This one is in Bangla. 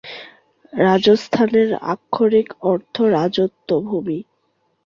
রাজস্থানের আক্ষরিক অর্থ "রাজত্ব ভূমি"।